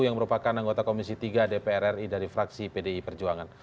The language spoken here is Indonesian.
yang merupakan anggota komisi tiga dpr ri dari fraksi pdi perjuangan